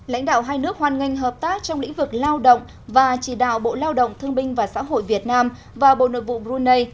lãnh đạo hai nước hoan nghênh hợp tác trong lĩnh vực lao động và chỉ đạo bộ lao động thương binh và xã hội việt nam và bộ nội vụ brunei